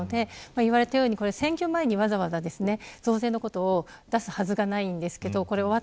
今言われたように選挙前にわざわざ増税のことを出すはずがないんです。